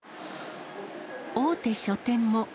大手書店も。